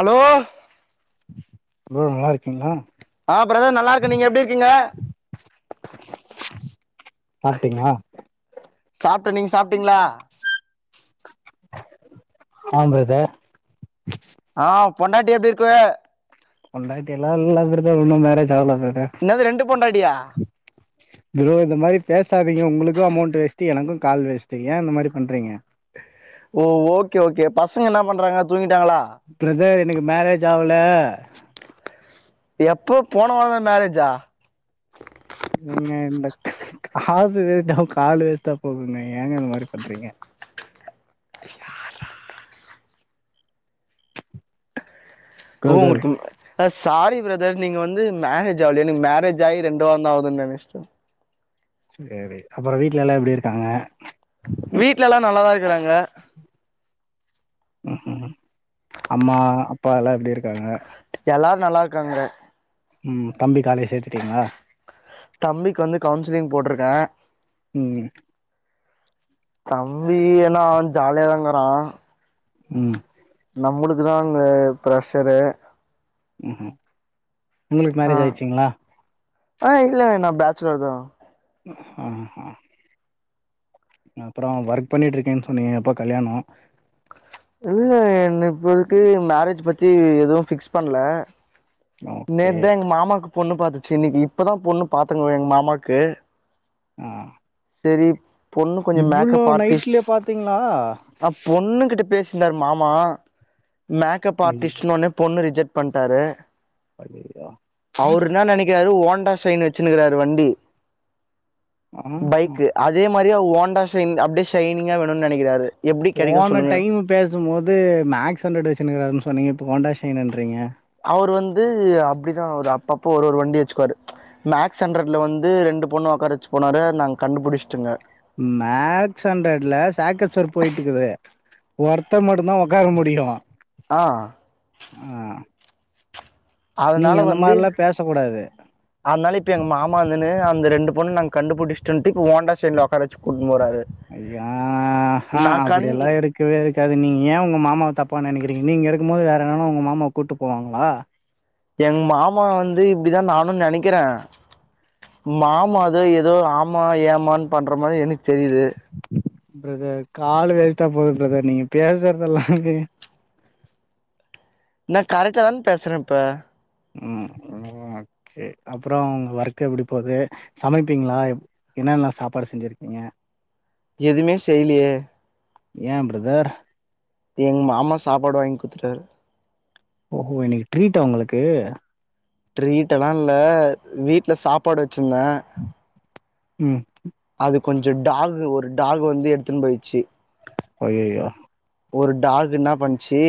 Hello hello நல்லா இருக்கீங்ளா ஆ பிரதர் நல்லா இருக்கன் நீங்க எப்டி இருக்கீங்க சாப்ட்டீங்களா சாப்ட்டன் நீங்க சாப்ட்டீங்களா ஆ பிரதர் ஆ பொன்டாட்டி எப்டி இருக்கு பொண்டாட்டியெல்லா இல்ல பிரதர் இன்னும் மேரேஜ் ஆகல பிரதர் என்னது ரெண்டு பொண்டாட்டியா ப்ரோ இந்த மாரி பேசாதீங்க உங்ளுக்கும் அமௌண்ட் வேஸ்ட்டு எனக்கும் கால் வேஸ்ட்டு ட்டு ஏன் இந்த மாரி பண்றீங்க ஓ ஓகே ஓகே பசங்க என்ன பண்றாங்க தூங்கிட்டாங்களா பிரதர் எனக்கு மேரேஜ் ஆவுல எப்போ போன வாரம் மேரேஜா ஏங்க இந்த காசு வேஸ்ட்டா கால் வேஸ்ட்டா போகுங்க ஏங்க இந்த மாரி பண்றீங்க home brother work sorry brother நீங்க வந்து மேரேஜ் ஆவுலயா எனக்கு மேரேஜ் ஆகி ரெண்டு வாரந்தான் ஆகுதுன்னு நெனச்சிட்டன் செரி அப்றோம் வீட்ல எல்லாம் எப்டி இருக்காங்க வீட்லல்லாம் நல்லாத தான் இருக்கிறாங்க ம் ம் அம்மா அப்பா எல்லாம் எப்டி இருக்காங்க எல்லாரும் நல்லா இருக்காங்க ம் தம்பி காலேஜ் சேத்துட்டீங்களா தம்பிக்கு வந்து கவுன்சிலிங் போட்ருக்கேன் ம் தம்பியெல்லாம் அவ ஜாலியாதாங்கறான் ம் நம்மளுக்கு தான் அங்க ப்ரெஷரு ம் ம் உங்களுக்கு மேரேஜ் ஆ ஆயிச்சிங்களா ஆ இல்ல நா பேச்சுலர் தான் ஆஹ்ஹான் அப்றோ ஒர்க் பண்ணிட்டுருக்கேன்னு சொன்னீங்க எப்ப கல்யாணோ இல்ல என்ன இப்பல்க்கு மேரேஜ் பத்தி எதுவு ஃபிக்ஸ் பண்ணல ஓகே நேத் தா எங்க மாமாக்கு பொண்ணு பாத்துச்சு இன்னீக்கு இப்பதா பொண்ணு பாத்துன்னு வர்றோ எங்க மாமாக்கு ம் சேரி பொண்ணு கொஞ்சோ மேக்கப் ஆர்டிஸ்ட் நைட்லயே பாத்தீங்களா? ஆ பொண்ணு கிட்ட பேசியிந்தாரு மாமா மேக்கப் ஐயோ! ஆர்ட்டிஸ்ட்னு ஒட்னே பொண்ணு ரிஜெக்ட் பண்ட்டாரு ஐயய்யோ! அவரு என்ன நெனக்கிறாரு ஓண்டா சைன் வச்சிருக்காரு வண்டி ஆஹா. பைக் அதே மாதிரி ஓண்டா சைன் அப்டியே ஷைனிங்கா வேணும்னு நெனக்கிறாரு போன டைமு பேசும்போது மேக்ஸ் ஹண்ட்ரட் வச்சிக்கின்னுக்காருன்னு சொன்னீங்க இப்போ ஹோண்டா ஷைன்ட்றீங்க அவர் வந்து அப்டிதா ஒரு அப்பப்ப ஒரு ஒரு வண்டி வச்சுக்குவாரு மேக்ஸ் ஹண்ட்ரட்ல வந்து ரெண்டு பொண்ணு ஒக்கார வச்சு போனாரு நாங்க கண்டுபுடிச்ட்டோங்க மேக்ஸ் ஹண்ட்ரட்ல சாக் அப்சர் போயிட்டுருக்குது ஒர்த்தே மட்டுந்தா ஒக்கார முடியு ஆ ஆ நீங்க அந்த மாத்ரிலா பேச கூடாது அத்னால இப்ப எங்க மாமா வந்துன்னு அந்த ரெண்டு பொண்ணு நாங்க கண்டுபிடிசட்டோன்னு இப்ப ஓண்டா சைன்ல உக்கார‌ வச்சி கூட்னு போறாரு ஐயாஹா நா அப்டி கண் எல்லா இருக் இருக்கவே இருக்காது நீங்க ஏ உங்க மாமாவ தப்பா நெனக்கிறீங்க நீங்க இருக்கும்போது வேறு எவனு உங்க மாமாவ கூப்டு போவாங்களா எங்க மாமா வந்து இப்டிதா நானு நெனக்கிறே மாமாதோ ஏதோ ஆமா ஏமான்னு பண்ற மாறி எனக்கு தெரியுது ப்ர‍தர் கால்லு வேஸ்ட்டா போது ப்ரதர் நீங்க பேசுறதெல்லாமே நா கரெக்டா தான் பேசுறேன் இப்ப ம் ஓகே அப்பறம் உங்க ஒர்க் எப்டி போது சமப்பீங்களா எப் என்னல்லா சாப்பாடு செஞ்சிருக்கீங்க எதுமே செய்லியே ஏ ப்ரதர் எங்க மாமா சாப்பாடு வாங்கி குடுத்துட்டாரு ஓஹோ இன்னைக்கு ட்ரீட்டா ஒங்களுக்கு ட்ரீட்டெல்லாம இல்ல வீட்ல சாப்பாடு வச்சிருந்தே உம் அது கொஞ்சோ டாகு ஒரு டாகு வந்து எடுத்துன்னு போயின்ச்சி ஐய்யய்யோ ஒரு டாக் இன்னா பண்ச்சி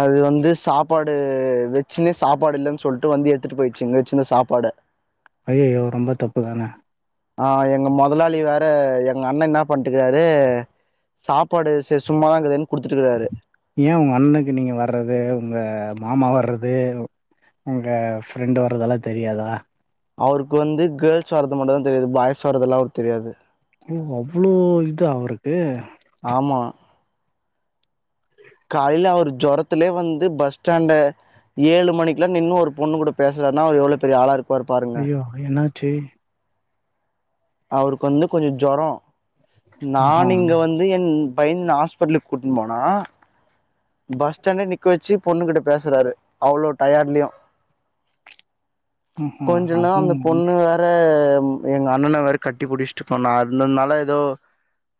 அது வந்து சாப்பாடு வச்சுன்னே சாப்பாடு இல்லன்னு சொல் ட்டு வந்து எடுத்துட்டு போயிச்சு இங்க வச்சிற்ந்த சாப்பாட ஐய்யயோ ரொம்ப தப்பு தான ஆ எங்க மொதலாளி வேற எங்க அண்ணே என்னா பண்டுக்குறாரு சாப்பாடு செரி சும்மாதா இங்கு தேனு குடுத்துட்டுக்கறாரு ஏ ஒங்க அண்ணுக்கு நீங்க வர்றது உங்க மாமா வர்றது உங்க ஃப்ரெண்டு் வர்றதெல்லா தெரியாதா அவருக்கு வந்து கேள்ஸ் வர்றது மட்டும் தா தெரியாது பாய்ஸ் வர்றது எல்லா அவருக்கு தெரியாது ஓ அவ்ளோ இதா அவருக்கு ஆமா காலைல அவர் ஜொரத்துலயே வந்து பஸ் ஸ்டாண்ட ஏழு மணிக்குலா நின்னு ஒரு பொண்ணு கூட பேசுறார்னா அவர் எவ்ளோ பெரிய ஆளா இருக்கும் ஐயோ என்னாச்சு அவருக் வந்து கொஞ்சொ ஜொரமொ ஆஹா நான் இங்க வந் து என் பையன் ஹாஸ்பிட்டல் கூட்னு போனா பஸ் ஸ்டாண்டே நிக்க வச்சு பொண்ணு கிட்ட பேசுறாரு அவ்ளோ டயட்லயு ம்ஹும் கொஞ்சுனா அப்டினா அந்த பொண்ணு வே ற எங்க அண்ணன வேற கட்டி புடிச்ட்டு பண்ண அந்தத்னால ஏதோ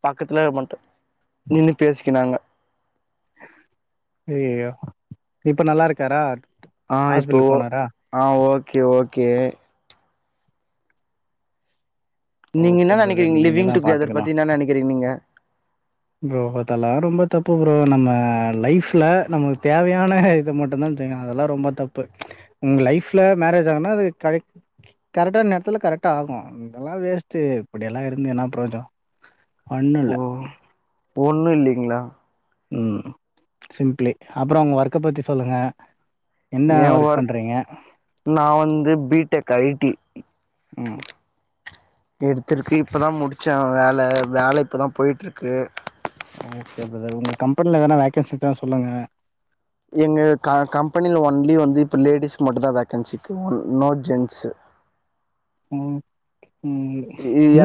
பக்கத்துல மட்டு நின்னு பேசிக்கினாங்க ஐயயோ இப்ப நல்லா இருக்காரா ஆ இப்போ ஹாஸ்பிட்டலுக்கு போனாரா ஆ ஓகே ஓகே நீங்க என்ன ஓகே நெனக்கிறீங்க பிரதர் நீங்க லிவ்விங் தா டு கெதர் பாத்துக்கணு பத்தி என்ன நெனக்கிறீங் நீங்க ப்ரோ அதெல்லா ரொம்ப தப்பு ப்ரோ நம்ம லைஃப்ல நம்ளுக் தேவையான இத மட்டுந்தா அதெல்லா ரொம்ப தப்பு உங்க லைஃப்ல மேரேஜ் ஆனா அது கரெக் கரெக்ட்டான் நேரத்ல கரெக்ட்டா ஆகு இதெல்லா வேஸ்ட்டு இப்டியெல்லா இருந்து என்னா ப்ரோஜனொ ஒன்னுல்ல ஒன்னு இல்லிங்ளா ம் சிம்ப்ளி அப்பறொ உங்க ஒர்க்க பத்தி சொல்லுங்க என்ன ஏ ஒர்க் ஒர் பண்றீங்க நா வந்து பி டெக் ஐ டி ம் எடுத்துருக்கு இப்பதா முடிச்ச வேல வேல இப்பதா போய்ட்ருக்கு ஓகே ப்ரதர் உங்க கம்பனில எதனா வேக்கன்சி இந்தா சொல்லுங்க எங்க க கம்பனில ஒன்லி வந்து இப்போ லேடிஸ் மட்டுந்தா வேக்கன்சி இருக்கு ப்ரோ நோ ஜென்ஸு ம் ம்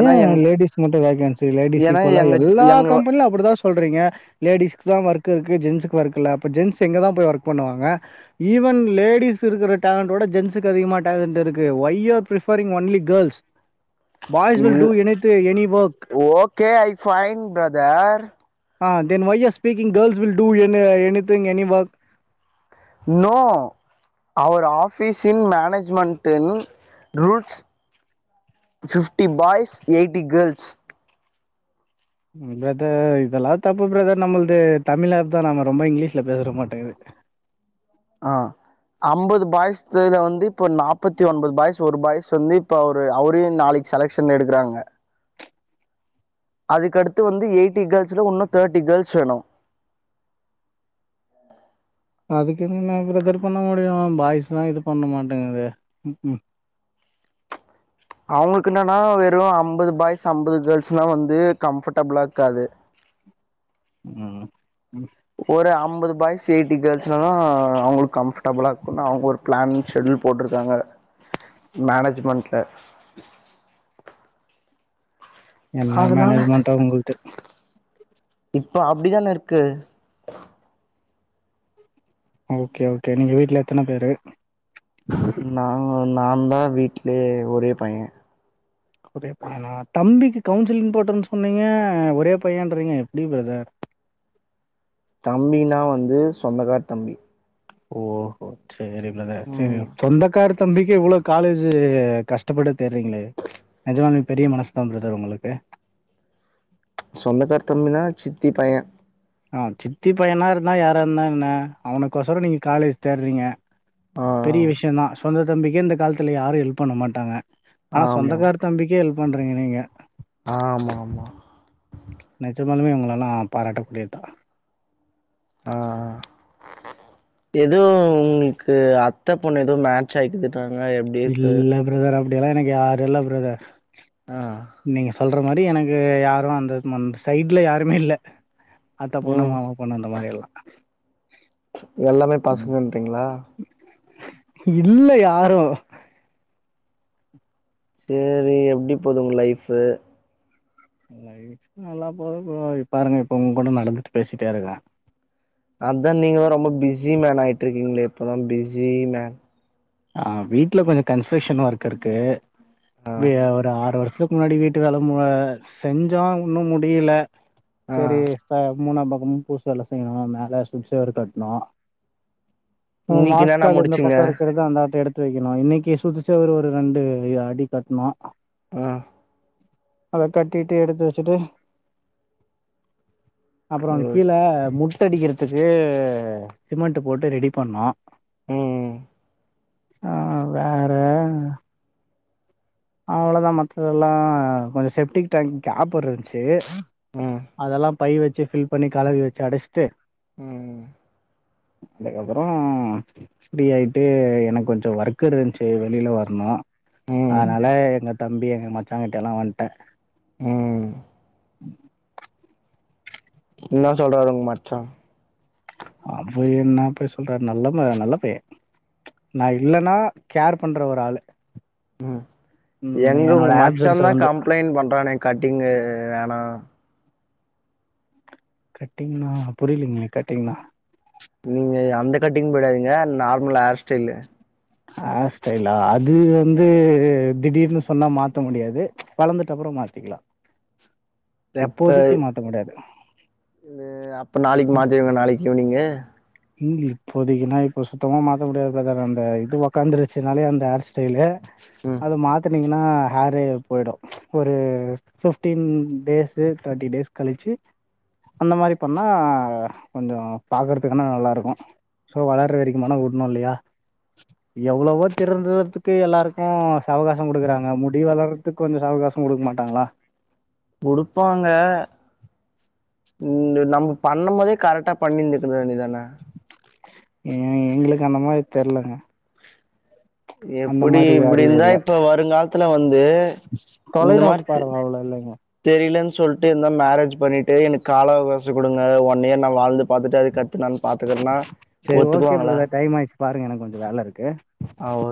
ஏ எங் லேடிஸ் மட்டு வேக்கன்சி லேடிஸ் ஏன்னா இப்போலா எங்க எல்லா எங்க கம்பெனிலு அப்டிதா சொல்றீங்க லேடிஸ்க்குதா ஒர்க் இருக்கு ஜென்ஸுக்கு ஒர்க் இல்ல அப்ப ஜென்ஸ் எங்கதா போய் ஒர்க் பண்ணுவாங்க ஈவன் லேடீஸ் இருக்குற டேலண்ட்ட உட ஜென்ஸுக்கு அதிகமா டேலண்ட் இருக்கு why you preferring only girls boys will do anything any work K I find brother ah then why your speaking girls will do any anything any work no our ஆஃபீஸின் மேனேஜ்மெண்ட்டில் rules fifty boys eighty girls brother இதெல்லா தப்பு brother நம்மள்து Tamil அர்த்தொ நம்ம ரொம்ப இங்கிலீஷ்ல பேசுற மாட்டேங்கிது ஆ அம்பது பாய்த இதுல வந்து இப்ப நாப்பத்தி ஒன்பது பாய்சு ஒரு பாய்சு வந்து இப்ப அவரு அவரையு நாளைக் செலெக்ஷன் எடுக்குறாங்க அதுக்கடுத்து வந்து எய்ட்டி கேர்ள்ஸ்ல உன்னு தேட்டி கேர்ள்ஸ் வேணு அதுக்கென்ன நா ப்ரதர் பண்ண முடியு பாய்ஸ்லா இது பண்ண மாட்டேங்கிது ம்ம் அவ்ங்களுக்கு என்னன்னா வெறு அம்பது பாய்ஸ் அம்பது கேர்ள்ஸ்னா வந்து கம்ஃபட்டபுளா இருக்காது ம் ம் ஒரு அம்பது பாய்ஸ் எய்ட்டி கேள்ஸ்னாதா அவ்ங்களுக்கு கம்ஃபடபுளா இருக்குன்னா அவ்ங்க ஒரு ப்ளான் ஷெடியூல் போட்ருக்காங்க மேனேஜ்மெண்ட்ல என்னா அதனால மேனேஜ்மெண்ட்டோ உங்கள்து இப்ப அப்டிதான இருக்கு ஓகே ஓகே நீங்க வீட்ல எத்தன பேரு நாங்க நாந்தா வீட்லயே ஒரே பையே ஒரே பையனா தம்பிக்கு கவுன்சிலிங் போட்டன் சொன்னீங்க ஒரே பையன்றிங்க எப்டி பிரதர் தம்பினா வந்து சொந்தக்கார் தம்பி ஓஹோ சேரி பிரதர் செரி ம் சொந்தக்கார் தம்பிக்கே இவ்ளோ காலேஜு கஷ்டப்பட்டு தேட்றீங்ளே நெஜமாவே பெரிய மனஸ்தா பிரதர் உங்களுக்கு சொந்தக்கார் தம்பினா சித்தி பையே ஆ சித்தி பையனா இருந்தா யாரா இருந்தா என்ன அவனுக்கொசரோ நீங்க காலேஜ் தேட்றீங்க ஆ பெரிய விஷயந்தா சொந்த தம்பிக்கே இந்த காலத்துல யாரு ஹெல்ப் பண்ண மாட்டாங்க ஆனா ஆமா சொந்தக்காரத் தம்பிக்கு ஹெல்ப் பண்றீங்க நீங்க ஆமாமா நெஜமாலுமே உங்கள எல்லா பாராட்டக்கூடியத்தா ஆ எதோ உங்களுக்கு அத்த பொண்ணு எதோ மேட்ச் ஆயிடுதுன்னாங்க எப் இல்ல பிரதர் அப்டியெல்லா எனக் யாருல்ல பிரதர் ஆ நீங்க சொல்ற மாரி எனக்கு யாரு அந்த மன் அந்த சைட்ல யாருமே இல்ல அத்த பொண்ணு ம் மாமா பொண்ணு அந்த மாரி எல்லா எல்லாமே பசங்கன்றிங்ளா இல்ல யாரு சேரி எப்டி போது உங்க லைஃபு லைஃப் நல்லா போது போகாது இப் பாருங்க இப்ப உங்க கூட நடந்துட்டு பேசிட்டே இருக்கே அத் தா நீங்கல்லா ரொம்ப பிஸி மேன் ஆயிட்ருக்கீங்ளே இப்பதா பிஸி மேன் ஆ வீட்ல கொஞ்ச கன்ஸ்ட்ரக்ஷன் ஒர்க் இருக்கு ஆ எப்டி ஒரு ஆறு வருஷத் முன்னாடி வீட்டு வேல மு செஞ்சோ இன்னு முடியல ஆ செரி ச மூணா பக்கமு பூசு வேல செய்ணு மேல சுத் செவுரு கட்னோ உ இன்னைக்கு என்னன்னா வாஸ்கால் இந்த முடிச்சீங்க பக்கோ இருக்றது தா அந்த ஆட்ட எடுத்து வெக்கணு இன்னைக்கு சுத்து செவுரு ஒரு ரெண்டு யா அடி கட்னோ ஆ அத கட்டிட்டு எடுத்து வெச்சிட்டு அப்றோ ம் கீழ முட்டடிக்கிறதுக்கு சிமெண்ட் போட்டு ரெடி பண்ணோ ம் ஆ வே ற அவ்ளதா மத்ததெல்லா கொஞ்ச செப்டிக் டேங்க் கேப் இருந்ச்சு ம் அதெல்லா பை வெச்சு ஃபில் பண்ணி கலவி வெச்சு அடச்சிட்டு ம் அதுக்கப்றோ ஃப்ரீ ஆயிட்டு எனக் கொஞ்ச ஒர்க் இருந்ச்சு வெளில வர்ணு ம் அலே எங்க தம்பி எங்க மச்சாங்கிட்ட எல்லா வந்ட்டே ம் என்னா சொல்றாரு உங் மச்சா அவ்ரு என்னா போய் சொல்றாரு நல்லவ்ங்க நல்ல பையே நா இல்லன்னா கேர் பண்ற ஒரு ஆளு ம் ம் எங்க உங்க என்னோட ஆப்சன்ஸ மச்சாந்தா வந்து கம்ப்ளைண்ட் பண்றானே கட்டிங்கு வேணா கட்டிங்னா புரிய்லீங்க கட்டிங்னா நீங்க அந்த கட்டிங் போயிடாதீங்க நார்மல் ஹேர் ஸ்டைலு ஹேர்ஸ்டைலா அது வந்து திடீர்னு சொன்னா மாத்த முடியாது வளந்துட்ட அப்றோ மாத்திகலா செப்பல் அ அப்போ நாளைக்கு மாத்திவங்க நாளைக்கு ஈவனிங்கு இப்போதைக்குன்னா இப்ப சுத்தமா மாத்த முடியாது ப்ரதர் அந்த இது உக்காந்துருச்சுனாலே அந்த ஹேர் ஸ்டைலு ம் அது மாத்துனிங்கன்னா ஹேரே போய்டு ஒரு ஃபிப்டீன் டேஸு தேர்ட்டி டேஸ் கழிச்சி அந்த மாரி பண்ணா கொஞ்சோ பாக்கறதுக் ஆனா நல்லாருக்கு சோ வளர்ற வரைக்கும்மான வுடணு இல்லையா எவ்வளோவோ திருந்துறதுக்கு எல்லாருக்கு சவகாசம் குடுக்குறாங்க முடி வளறதுக்கு கொஞ்சோ சவகாசம் குடுக்க மாட்டாங்களா குடுப்பாங்க நம்ம பண்ணு போதே கரெக்டா பண்ணியிருந்துக்க வேண்டி தான ம் எங்களுக்கு அந்த மாரி தெர்லங்க அந்த எப்டி மாரி இப்டி அறிவு இருந்தா இல்ல இப்ப வருங்காலத்துல வந்து தொலைநோக்கு பார்வ அவ்ளோ இல்லங்க தெரிலன்னு சொல்ட்டு இரு மேரேஜ் பண்ணிட்டு எனக்கு கால அவகாசம் குடுங்க ஒன் இயர் நான் வாழ்ந்து பாத்துட்டு அதுகடுத்து நானு பாத்துக்கறேன்னா சரி ஓகே ஒத்துக்குவாங்களா பிரதர் டைம் ஆயிடுச்சு பாருங்க எனக்கு கொஞ்சோ வேல இருக்கு அ ஓ